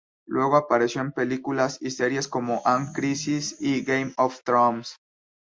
Luego apareció en películas y series como "An Crisis" y "Game of Thrones".